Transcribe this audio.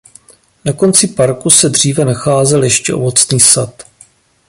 Na konci parku se dříve nacházel ještě ovocný sad.